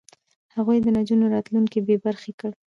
هغوی د نجونو راتلونکی بې برخې کړ.